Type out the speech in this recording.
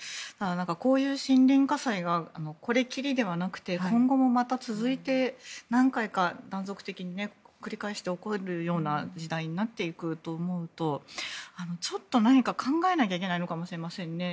こういう森林火災がこれっきりではなくて今後もまた続いて何回か断続的に繰り返して起こるような時代になっていくと思うとちょっと何か、考えなきゃいけないのかもしれませんね。